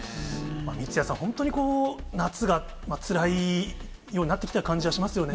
三屋さん、本当にこう、夏がつらいようになってきた感じはしますよね。